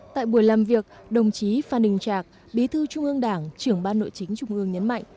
tại buổi làm việc đồng chí phan đình trạc bí thư trung ương đảng trưởng ban nội chính trung ương nhấn mạnh